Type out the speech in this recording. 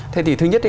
thì thứ nhất